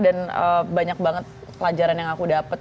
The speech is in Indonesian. dan banyak banget pelajaran yang aku dapet